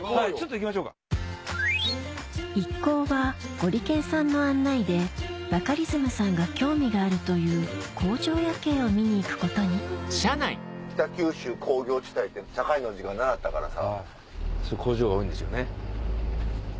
一行はゴリけんさんの案内でバカリズムさんが興味があるという工場夜景を見に行くことに北九州工業地帯って社会の時間習ったからさ。